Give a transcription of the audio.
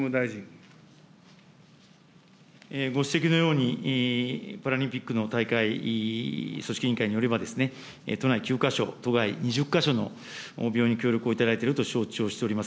ご指摘のように、パラリンピックの大会組織委員会によれば、都内９か所、都外２０か所の病院に協力をいただいていると承知をしております。